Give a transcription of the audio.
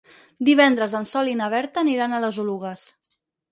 Divendres en Sol i na Berta aniran a les Oluges.